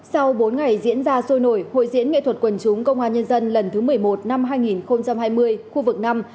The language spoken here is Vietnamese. sau bốn ngày diễn ra sôi nổi hội diễn nghệ thuật quần chúng công an nhân dân lần thứ một mươi một năm hai nghìn hai mươi